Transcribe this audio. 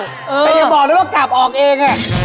แต่ยังบอกเลยว่ากลับออกเอง